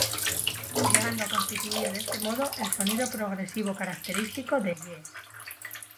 Llegando a constituir de este modo el sonido progresivo característico de Yes.